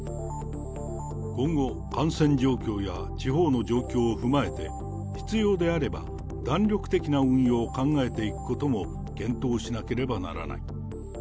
今後、感染状況や地方の状況を踏まえて、必要であれば、弾力的な運用を考えていくことも検討しなければならない。